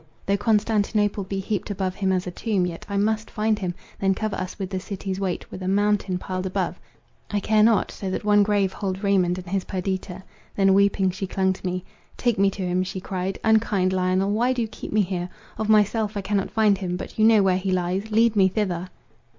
Though Constantinople be heaped above him as a tomb, yet I must find him—then cover us with the city's weight, with a mountain piled above—I care not, so that one grave hold Raymond and his Perdita." Then weeping, she clung to me: "Take me to him," she cried, "unkind Lionel, why do you keep me here? Of myself I cannot find him —but you know where he lies—lead me thither."